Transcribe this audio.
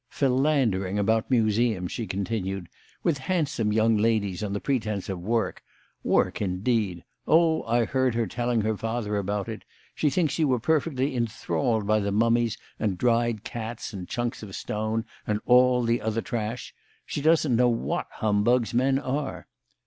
"Philandering about museums," she continued, "with handsome young ladies on the pretence of work. Work, indeed! Oh, I heard her telling her father about it. She thinks you were perfectly enthralled by the mummies and dried cats and chunks of stone and all the other trash. She doesn't know what humbugs men are."